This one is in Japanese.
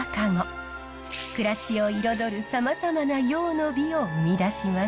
暮らしを彩るさまざまな用の美を生み出します。